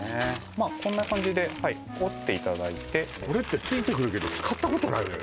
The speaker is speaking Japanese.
まあこんな感じではい折っていただいてこれってついてくるけど使ったことないわよ